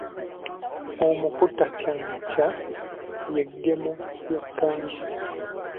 Omukuutankyakya ly’eggemo ly’ekkanzu.